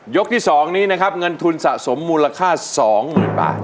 ที่๒นี้นะครับเงินทุนสะสมมูลค่า๒๐๐๐บาท